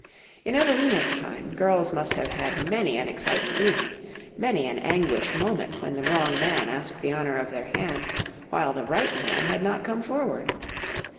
In Evelina's time, girls must have had many an exciting evening, many an anguished moment when the wrong man asked the honour of their hand while the right man had not come forward!